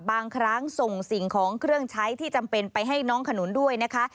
บางครั้งส่งสิ่งของเครื่องใช้ที่จำเป็นไปให้น้องขนุนด้วยนะคะ